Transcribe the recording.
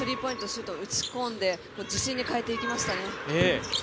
シュート打ち込んで自信に変えていきましたね。